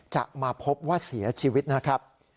จะมาพบว่าเสียชีวิตนะครับ